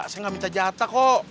saya nggak minta jatah kok